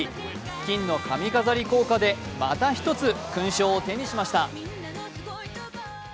金の髪飾り効果でまた一つ、勲章を手にしました。